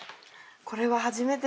これは初めて。